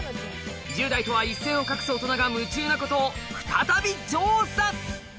１０代とは一線を画すオトナが夢中なことを再び調査！